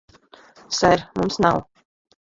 Ser, mums nav...